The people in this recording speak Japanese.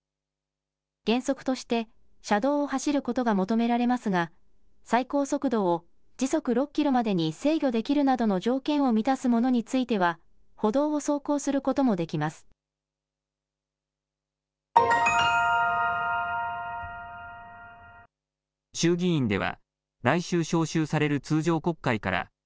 原則として車道を走ることが求められますが最高速度を時速６キロまでに制御できるなどの条件を満たすものについては歩道を走行することもできます。